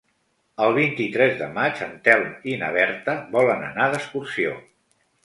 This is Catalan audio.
El vint-i-tres de maig en Telm i na Berta volen anar d'excursió.